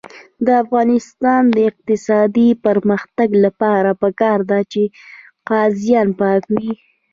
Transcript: د افغانستان د اقتصادي پرمختګ لپاره پکار ده چې قاضیان پاک وي.